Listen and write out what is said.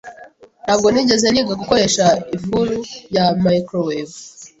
Ntabwo nigeze niga gukoresha ifuru ya microwave.